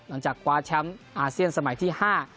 หลังจากคว้าแชมป์อาเซียนสมัยที่๕